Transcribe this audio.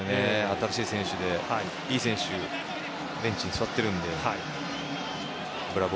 新しい選手、いい選手がベンチに座っているので。